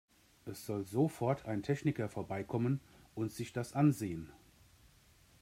Es soll sofort ein Techniker vorbeikommen und sich das ansehen!